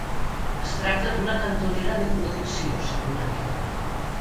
Es tracta d'una cantonera de protecció segurament.